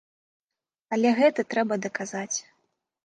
Але гэта трэба даказаць.